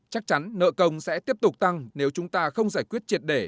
chắc chắn nợ công sẽ tiếp tục tăng nếu chúng ta không giải quyết triệt để